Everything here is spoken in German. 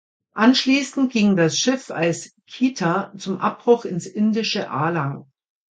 Anschließend ging das Schiff als "Kita" zum Abbruch ins indische Alang.